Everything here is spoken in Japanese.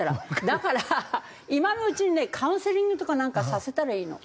だから今のうちにねカウンセリングとかなんかさせたらいいの。